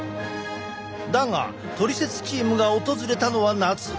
だがトリセツチームが訪れたのは夏。